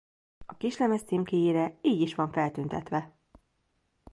A kislemez címkéjére így is van feltüntetve.